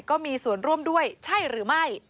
ก็มีส่วนร่วมด้วยใช่หรือไม่